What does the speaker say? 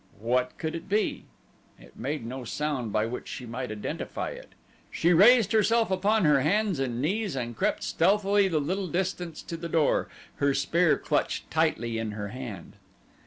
What could it be? It made no sound by which she might identify it. She raised herself upon her hands and knees and crept stealthily the little distance to the doorway, her spear clutched tightly in her hand.